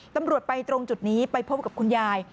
ตำรวจไปตรงจุดนี้ไปพบกับคุณยาย